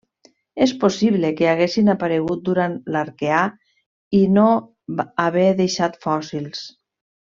És possible que haguessin aparegut durant l'Arqueà i no haver deixat fòssils.